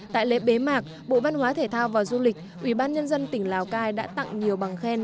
tại lễ bế mạc bộ văn hóa thể thao và du lịch ủy ban nhân dân tỉnh lào cai đã tặng nhiều bằng khen